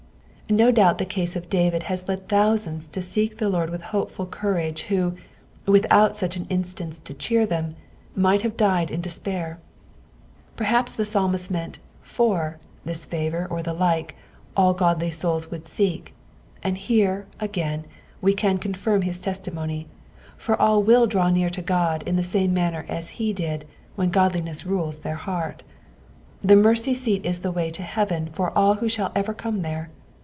No doubt the case of DaTid has lea thousands to seek the Tiordwith hopeful counif^e who, without such an instance to cbeer them, might have died in despiiir, Pei hnps the psalmist meant fur this favour or the like all godlj souls would seek, and here, again, we can confirm bis testimony, for all will draw near to God in the same msnoer as he did when godliness rules their heart. Tlie mercy seat is the way to heaven forall whoshttll ever come there.